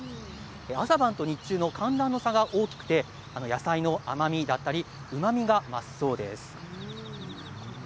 朝晩と日中の寒暖の差が大きくて野菜の甘みやうまみが増すそうです。